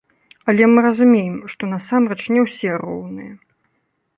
Але мы разумеем, што насамрэч не ўсе роўныя.